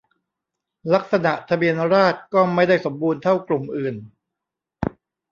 ลักษณะทะเบียนราฎษร์ก็ไม่ได้สมบูรณ์เท่ากลุ่มอื่น